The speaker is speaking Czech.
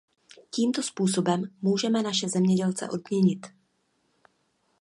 Tímto způsobem můžeme naše zemědělce odměnit.